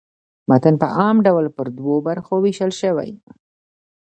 متن په عام ډول پر دوو برخو وېشل سوی.